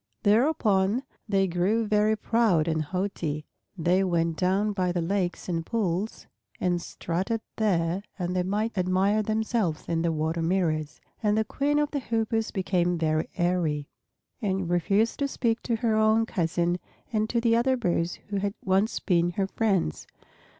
Thereupon they grew very proud and haughty. They went down by the lakes and pools and strutted there that they might admire themselves in the water mirrors. And the Queen of the Hoopoes became very airy, and refused to speak to her own cousin and to the other birds who had once been her friends.